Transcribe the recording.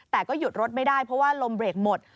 แต่ก็หยุดรถไม่ได้เพราะว่าลมเบรกหมด